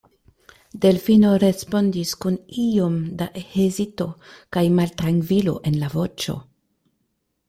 Delfino respondis kun iom da hezito kaj maltrankvilo en la voĉo.